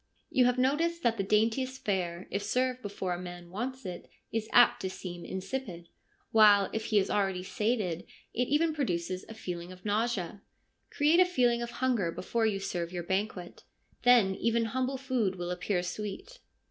You have noticed that the daintiest fare, if served before a man wants it, is apt to seem insipid ; while, if he is already sated, it even produces a feeling of nausea. Create a feeling of hunger before you serve your banquet ; then even humble food will appear sweet.'